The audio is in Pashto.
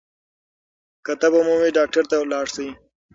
که تبه مو وي ډاکټر ته لاړ شئ.